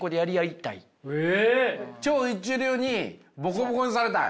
超一流にボコボコにされたい。